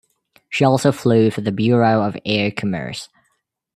She also flew for the Bureau of Air Commerce.